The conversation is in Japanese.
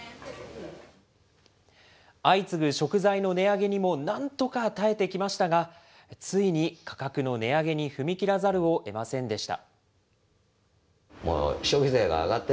相次ぐ食材の値上げにも、なんとか耐えてきましたが、ついに価格の値上げに踏み切らざるをえませんでした。